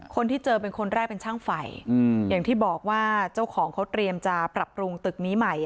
คนที่เจอเป็นคนแรกเป็นช่างไฟอย่างที่บอกว่าเจ้าของเขาเตรียมจะปรับปรุงตึกนี้ใหม่